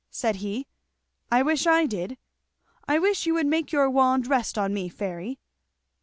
said he. "I wish I did. I wish you would make your wand rest on me, Fairy."